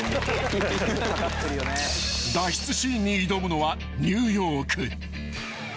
［脱出シーンに挑むのはニューヨーク］